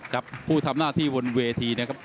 กับผู้ทำหน้าที่บนเวทีนะครับ